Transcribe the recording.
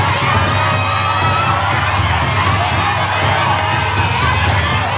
สวัสดีค่ะ